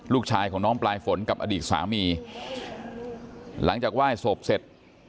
ลูกชายของน้องปลายฝนกับอดีตสามีหลังจากไหว้ศพเสร็จ